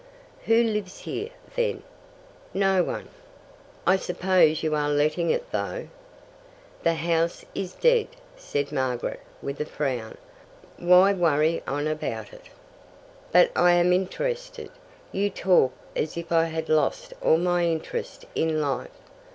"Who lives here, then?" "No one." "I suppose you are letting it though " "The house is dead," said Margaret with a frown. "Why worry on about it?" "But I am interested. You talk as if I had lost all my interest in life.